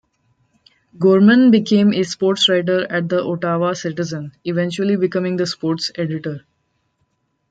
Gorman became a sports writer at the "Ottawa Citizen", eventually becoming the sports editor.